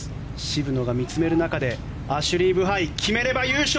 渋野が見つめる中でアシュリー・ブハイ決めれば優勝